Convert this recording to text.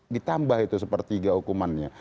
ditambah itu sepertiga hukumannya